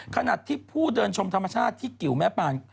ขณะที่ผู้เดินชมธรรมชาติที่กิวแม่ปาน